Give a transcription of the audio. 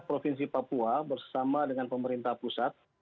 provinsi papua bersama dengan pemerintah pusat